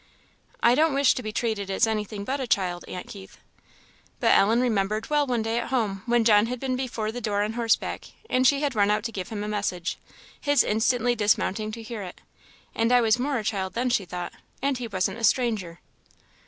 "I don't wish to be treated as anything but a child, Aunt Keith." But Ellen remembered well one day at home when John had been before the door on horseback, and she had run out to give him a message, his instantly dismounting to hear it. "And I was more a child then," she thought; "and he wasn't a stranger."